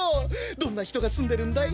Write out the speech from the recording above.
どんなひとがすんでるんだい？